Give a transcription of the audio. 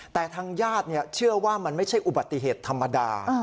แต่ทางญาติเชื่อว่ามันไม่ใช่อุบัติเหตุธรรมดา